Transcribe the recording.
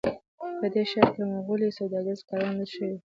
په دې ښار کې مغولي سوداګریز کاروان لوټ شوی و.